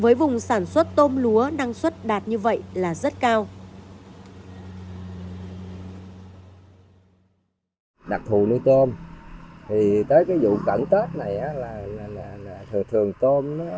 với vùng sản xuất tôm lúa năng suất đạt như vậy là rất cao